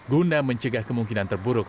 guna mencegah kemungkinan terburuk